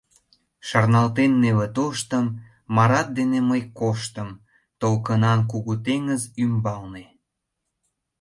Шарналтен неле тоштым, «Марат» дене мый коштым Толкынан кугу теҥыз ӱмбалне…